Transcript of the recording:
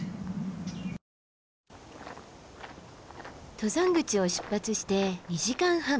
登山口を出発して２時間半。